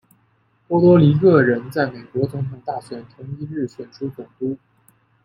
波多黎各人在美国总统大选同一日选出总督。